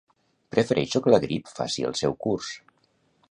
Prefereixo que la grip faci el seu curs